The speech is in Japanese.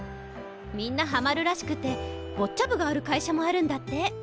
みんなハマるらしくてボッチャ部がある会社もあるんだって。